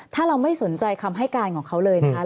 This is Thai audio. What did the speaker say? ถ้าเราไม่สนใจคำให้การของเขาเลยนะคะ